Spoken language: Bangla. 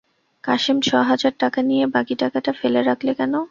কাসেম ছ হাজার টাকা নিয়ে বাকি টাকাটা ফেলে রাখলে কেন?